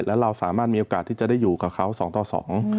แล้วเราสามารถมีโอกาสที่จะได้อยู่กับเขาสองต่อสอง